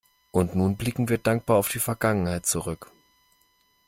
Und nun blicken wir dankbar auf die Vergangenheit zurück.